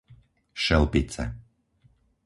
Šelpice